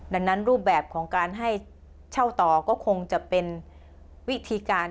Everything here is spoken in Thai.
ดังนั้นรูปแบบของการให้เช่าต่อก็คงจะเป็นวิธีการ